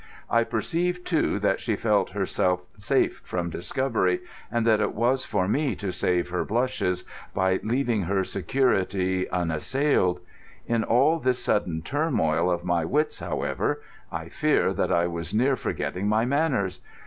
I perceived, too, that she felt herself safe from discovery, and that it was for me to save her blushes by leaving her security unassailed. In all this sudden turmoil of my wits, however, I fear that I was near forgetting my manners.